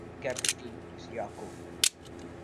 Its capital is Yako.